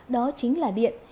đó chính là điện